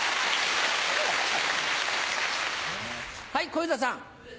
はい小遊三さん。